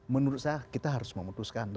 menurut saya kita harus memutuskan